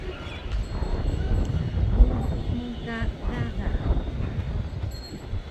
Bubu mu ka gaga